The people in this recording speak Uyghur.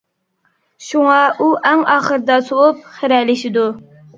شۇڭا ئۇ ئەڭ ئاخىرىدا سوۋۇپ، خىرەلىشىدۇ.